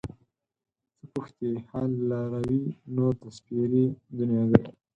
څه پوښتې حال له لاروي نور د سپېرې دنياګۍ